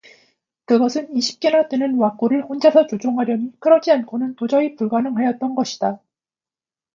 그것은 이십 개나 되는 와꾸를 혼자서 조종 하려니 그러지 않고는 도저히 불가능하였던 것이다.